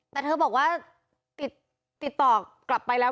แต่เธอบอกว่าติดต่อกลับไปแล้ว